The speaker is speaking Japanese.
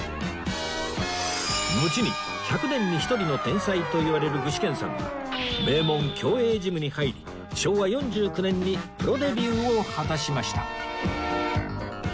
のちに１００年に１人の天才といわれる具志堅さんが名門協栄ジムに入り昭和４９年にプロデビューを果たしました